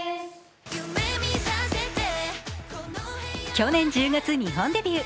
去年１０月、日本デビュー。